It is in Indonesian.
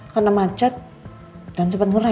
karena macet dan sempet ngerem